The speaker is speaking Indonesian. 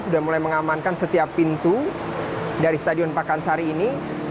sudah mulai mengamankan setiap pintu dari stadion pakansari ini